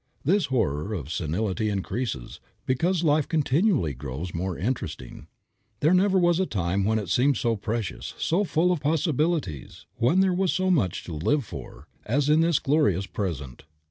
This horror of senility increases, because life continually grows more interesting. There never was a time when it seemed so precious, so full of possibilities, when there was so much to live for, as in this glorious present.